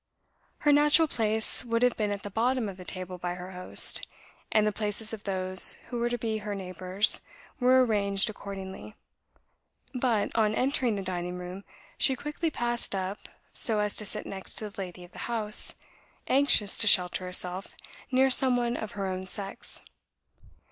Her natural place would have been at the bottom of the table by her host; and the places of those who were to be her neighbours were arranged accordingly; but, on entering the dining room, she quickly passed up so as to sit next to the lady of the house, anxious to shelter herself near some one of her own sex.